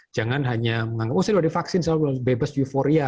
jangan hanya menganggap oh saya loh divaksin saya bebas euforia